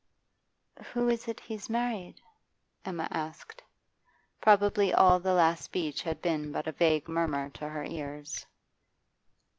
'Who is it he's married?' Emma asked. Probably all the last speech had been but a vague murmur to her ears.